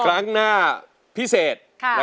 ครั้งหน้าพิเศษ